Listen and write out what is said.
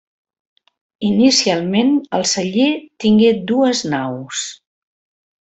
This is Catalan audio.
Inicialment el celler tingué dues naus.